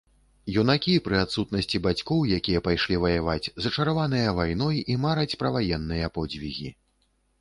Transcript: Юнакі, пры адсутнасці бацькоў, якія пайшлі ваяваць, зачараваныя вайной і мараць пра ваенныя подзвігі.